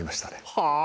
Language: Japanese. はあ？